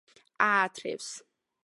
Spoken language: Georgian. აათრევს